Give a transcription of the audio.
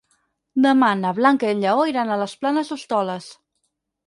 Demà na Blanca i en Lleó iran a les Planes d'Hostoles.